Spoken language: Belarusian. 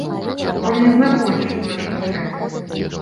Бо не знаходзіш тое, што трэба.